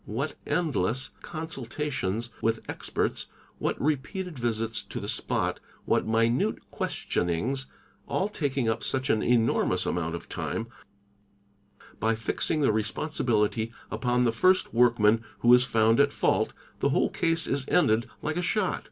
What endless consultations i. ith experts, what repeated visits to the spot, what minute questionings, S ull taking up such an enormous amount of time; by fixing the respon 'sibility upon the first workman who is found at fault, the whole case is ended like a shot.